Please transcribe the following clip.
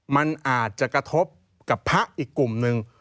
มันอาจจะกระทบกับพระอีกกลุ่มนึง